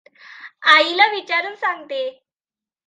आईला विचारून सांगते.